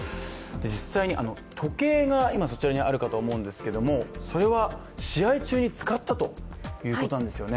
実際に時計が今、そちらにあるかと思うんですけども、それは試合中に使ったということなんですよね。